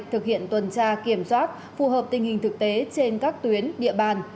thực hiện tuần tra kiểm soát phù hợp tình hình thực tế trên các tuyến địa bàn